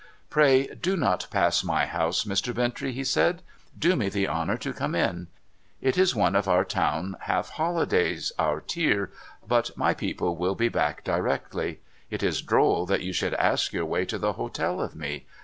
'Pray do not pass my house, Mr. Bintrey,' he said. 'Do me the honour to come in. It is one of our town half holidays — our Tir — ^but my people will be back directly. It is droll that you should ask your way to the Hotel of me.